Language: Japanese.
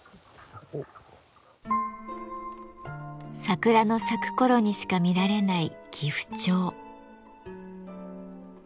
桜の咲く頃にしか見られないギフチョウ。